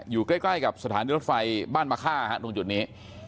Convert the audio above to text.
อยู่ใกล้กับสถานีรถไฟบ้านมะค่าตรงจุดนี้